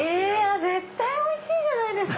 絶対おいしいじゃないですか！